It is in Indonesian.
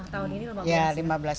tahun ini kelimabelas